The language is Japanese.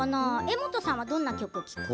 柄本さんはどんな曲を聴く？